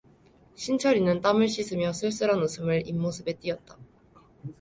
신철이는 땀을 씻으며 쓸쓸한 웃음을 입모습에 띠었다.